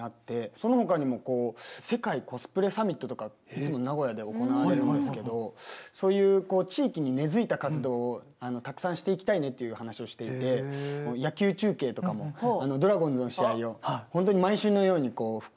そのほかにも世界コスプレサミットとかいつも名古屋で行われるんですけどそういう地域に根づいた活動をたくさんしていきたいねっていう話をしていて野球中継とかもドラゴンズの試合を本当に毎週のように副音声で応援していたりとか。